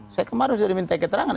saya kemarin sudah minta keterangan